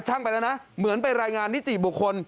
ไปแล้วนะเหมือนไปรายงานนิติบุคคล